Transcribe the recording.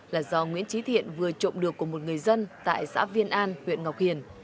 là do nguyễn trí thiện vừa trộm được của một người dân tại xã viên an huyện ngọc hiền